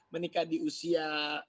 menikah di usia